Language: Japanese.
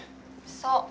そう。